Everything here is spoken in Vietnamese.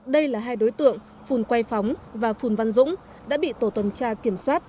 đây là hai đối tượng phùn quay phóng và phùn văn dũng đã bị tổ tuần tra kiểm soát